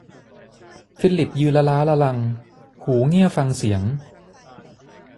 ฟิลิปยืนละล้าละลัง หูเงี่ยฟังเสียง